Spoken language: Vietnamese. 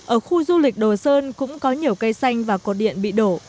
ở khu du lịch đồ sơn cũng có nhiều cây xanh và cột điện bị đổ